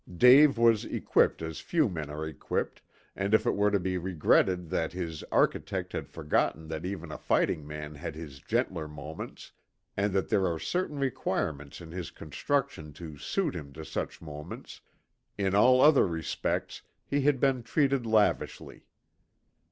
Dave was equipped as few men are equipped, and if it were to be regretted that his architect had forgotten that even a fighting man has his gentler moments, and that there are certain requirements in his construction to suit him to such moments, in all other respects he had been treated lavishly.